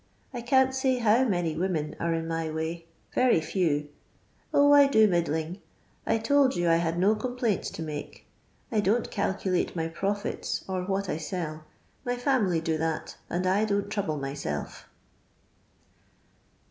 I can't say how many women are in my way — very few ; 0, I do middling. I told you I hud no complaints to make. I don*t calculate my profits or what I sell. My family do that and I don't trouble my self."